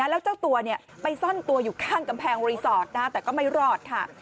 แล้วเจ้าตัวไปซ่อนตัวอยู่ข้างกำแพงรีสอร์ทแต่ก็ไม่รอดค่ะ